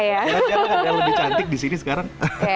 ya cerahnya lebih cantik di sini sekarang